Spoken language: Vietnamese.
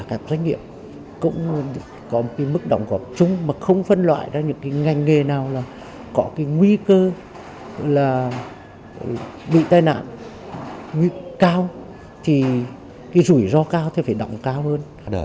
cả các doanh nghiệp cũng có một mức đồng cộng chung mà không phân loại ra những ngành nghề nào có nguy cơ bị tai nạn cao thì rủi ro cao thì phải đọng cao hơn